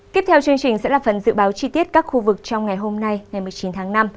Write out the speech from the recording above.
tiếp theo chương trình sẽ là phần dự báo chi tiết các khu vực trong ngày hôm nay ngày một mươi chín tháng năm